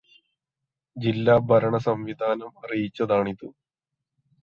ജില്ലാ ഭരണസംവിധാനം അറിയിച്ചതാണിത്.